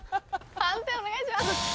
判定お願いします。